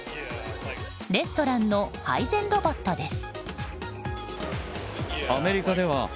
レストランの配膳ロボットです。